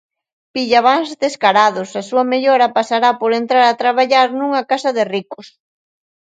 Pillabáns descarados, a súa mellora pasará por entrar a traballar nunha casa de ricos.